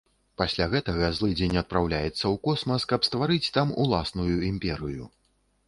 Пасля гэтага злыдзень адпраўляецца ў космас, каб стварыць там уласную імперыю.